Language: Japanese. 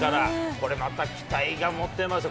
これまた期待が持てますね。